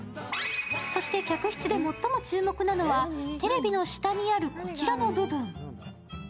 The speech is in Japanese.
そして、客室で最も注目なのはテレビの下にあるこちらの部分。